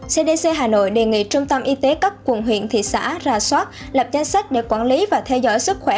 cdc hà nội đề nghị trung tâm y tế các quận huyện thị xã ra soát lập danh sách để quản lý và theo dõi sức khỏe